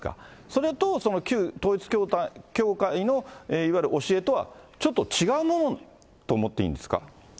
それと旧統一教会の、いわゆる教えとは、ちょっと違うものと思っていいんですか。